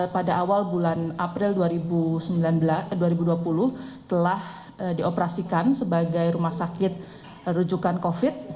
pada awal bulan april dua ribu dua puluh telah dioperasikan sebagai rumah sakit rujukan covid